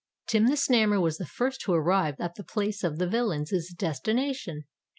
Tim the Snammer was the first who arrived at the place of the villains' destination.